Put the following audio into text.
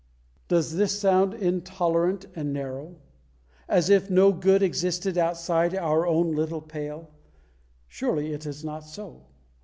Does this sound intolerant and narrow, as if no good existed outside our own little pale? Surely it is not so.